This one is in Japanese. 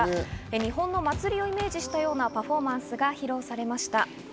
日本の祭りをイメージしたようなパフォーマンスが披露されました。